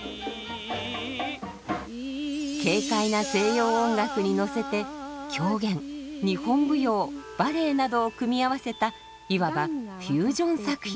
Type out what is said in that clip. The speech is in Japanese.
軽快な西洋音楽に乗せて狂言日本舞踊バレエなどを組み合わせたいわばフュージョン作品です。